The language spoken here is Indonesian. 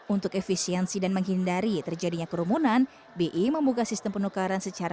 untuk efisiensi dan menghindari terjadinya kerumunan bi membuka sistem penukaran secara